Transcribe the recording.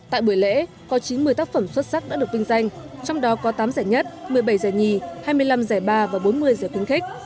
tại buổi lễ có chín mươi tác phẩm xuất sắc đã được vinh danh trong đó có tám giải nhất một mươi bảy giải nhì hai mươi năm giải ba và bốn mươi giải khuyến khích